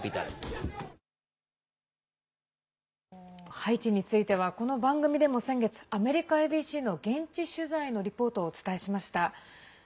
ハイチについてはこの番組でも先月アメリカＡＢＣの現地取材のリポートをお伝えしました。